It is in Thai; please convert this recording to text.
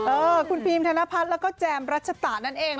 เออคุณฟิล์มธนพัฒน์แล้วก็แจมรัชตะนั่นเอง